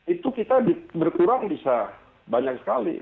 itu kita berkurang bisa banyak sekali